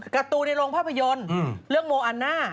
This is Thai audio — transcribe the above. การ์ตูในโรงภาพยนตร์เรื่องโมอันน่า